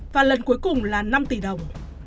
và lần cuối cùng là năm tỷ đồng